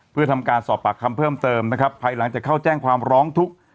เพื่อทำการสอบปากคำเพิ่มเติมนะครับภายหลังจากเข้าแจ้งความร้องทุกข์